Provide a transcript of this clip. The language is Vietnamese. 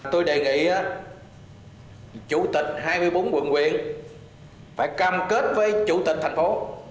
tôi đề nghị chủ tịch hai mươi bốn quận quyện phải cam kết với chủ tịch thành phố